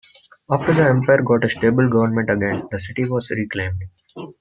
After the empire got a stable government again, the city was reclaimed.